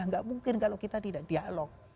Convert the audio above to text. nggak mungkin kalau kita tidak dialog